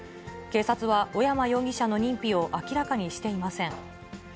警察は小山容疑者の認否を明らかにしていません。